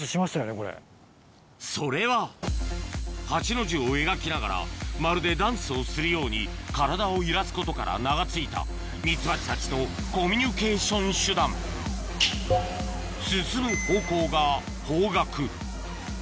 それは８の字を描きながらまるでダンスをするように体を揺らすことから名が付いたミツバチたちのコミュニケーション手段を表し